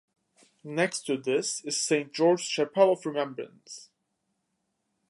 Next to this is "Saint George's Chapel of Remembrance".